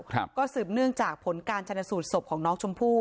ครับก็สืบเนื่องจากผลการชนสูตรศพของน้องชมพู่